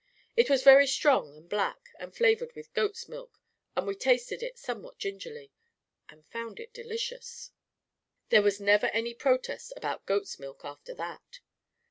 It was very strong and black, and flavored with goat's milk, and we tasted it somewhat gingerly — and found it delicious 1 •There was never any protest about goat's milk after that!